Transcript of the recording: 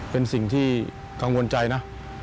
เป็นสิ่งที่กังวลใจนะ